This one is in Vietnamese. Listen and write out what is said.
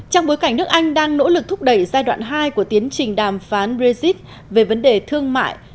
trong bối cảnh nước anh đang nỗ lực thúc đẩy giai đoạn hai của tiến trình đàm phán brexit về vấn đề thương mại